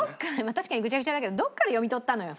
確かにぐちゃぐちゃだけどどこから読み取ったのよ？